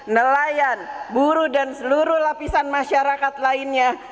nelayan buruh dan seluruh lapisan masyarakat lainnya